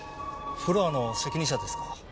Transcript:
フロアの責任者ですが。